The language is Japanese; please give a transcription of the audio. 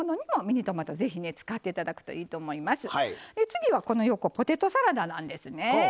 次はこの横ポテトサラダなんですね。